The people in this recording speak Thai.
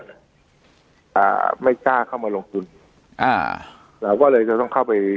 อ่าไม่กล้าเข้ามาลงทุนอ่าเราก็เลยจะต้องเข้าไป